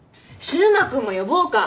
柊磨君も呼ぼうか。